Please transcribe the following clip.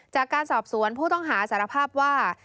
จากการสอบสวนผู้ต้องหาสารภาพว่า